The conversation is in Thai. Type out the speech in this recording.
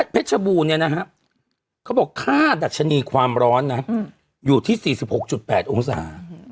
เพชรบูเนี้ยนะฮะเขาบอกค่าดัชนีความร้อนนะฮะอืมอยู่ที่สี่สิบหกจุดแปดองศา